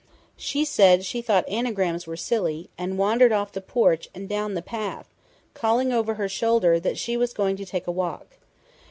She said she thought anagrams were silly, and wandered off the porch and down the path, calling over her shoulder that she was going to take a walk.